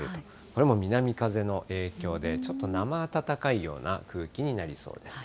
これも南風の影響で、ちょっと生暖かいような空気になりそうです。